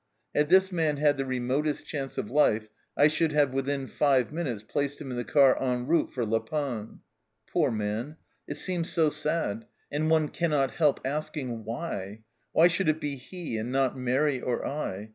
Had this man had the remotest chance of life I should have, within five minutes, placed him in the car en route for La Panne. Poor man ! it seemed so sad, and one cannot help asking, 6 Why ?' why should it be he, and not Mairi or I